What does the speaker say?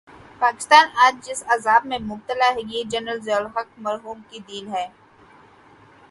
پاکستان آج جس عذاب میں مبتلا ہے، یہ جنرل ضیاء الحق مرحوم کی دین ہے۔